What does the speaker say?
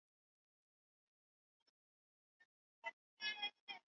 marekani yasema iko tayari kuisaidia korea kusini